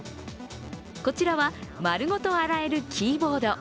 こちらは丸ごと洗えるキーボード。